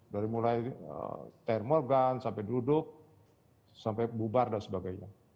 dari mulai termogan sampai duduk sampai bubar dan sebagainya